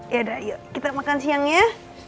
yaudah yuk kita makan siang ya